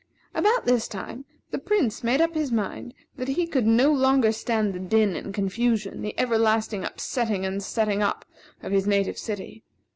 About this time, the Prince made up his mind that he could no longer stand the din and confusion, the everlasting up setting and setting up in his native city.